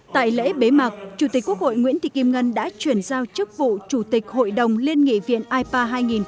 tại lễ bế mạc chủ tịch quốc hội nguyễn thị kim ngân đã chuyển giao chức vụ chủ tịch hội đồng liên nghị viện ipa hai nghìn hai mươi